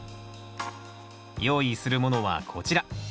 用意するものはこちら。